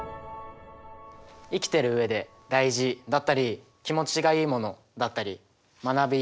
生きている上で大事だったり気持ちがいいものだったり学び